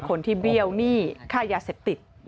คนที่เบี้ยวหนี้ฆ่ายาเสะติด